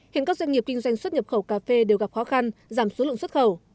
hiện các doanh nghiệp kinh doanh xuất nhập khẩu cà phê đều gặp khó khăn giảm số lượng xuất khẩu